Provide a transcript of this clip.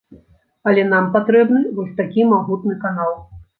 Але нам патрэбны вось такі магутны канал.